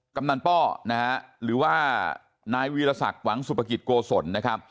กำนันป่อหรือว่านายวีรศักดิ์หวังสุภกิจโกศล